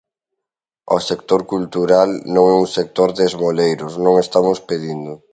O sector cultural non é un sector de esmoleiros, non estamos pedindo.